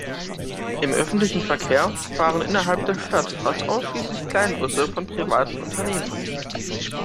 Im öffentlichen Verkehr fahren innerhalb der Stadt fast ausschließlich Kleinbusse von privaten Unternehmen.